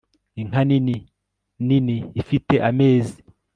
Inka nini nini ifite amezi